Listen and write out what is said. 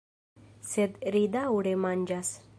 Sed ri daŭre manĝas.